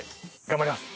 頑張ります！